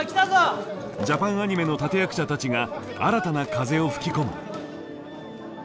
ジャパンアニメの立て役者たちが新たな風を吹き込む。